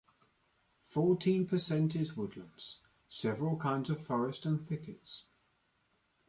Fourteen percent is woodlands - several kinds of forest and thickets.